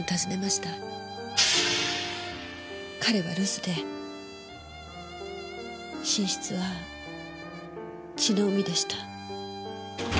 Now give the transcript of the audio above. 彼は留守で寝室は血の海でした。